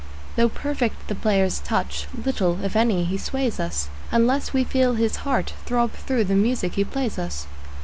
Though perfect the player's touch, little, if any, he sways us, Unless we feel his heart throb through the music he plays us.